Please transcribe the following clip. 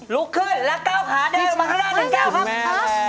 ลุกขึ้นและเก้าขาเดินมาข้างหน้าถึงกับคุณแม่แม่